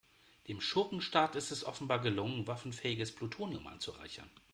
Dem Schurkenstaat ist es offenbar gelungen, waffenfähiges Plutonium anzureichern.